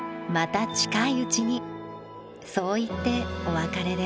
そう言ってお別れです。